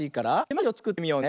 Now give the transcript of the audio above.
ずしをつくってみようね。